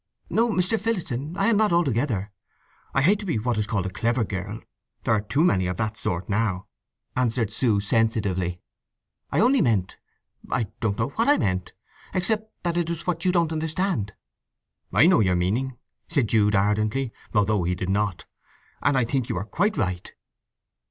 "No, Mr. Phillotson, I am not—altogether! I hate to be what is called a clever girl—there are too many of that sort now!" answered Sue sensitively. "I only meant—I don't know what I meant—except that it was what you don't understand!" "I know your meaning," said Jude ardently (although he did not). "And I think you are quite right."